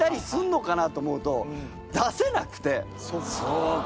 そうか。